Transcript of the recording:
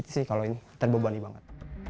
sih kalau ini terbebani banget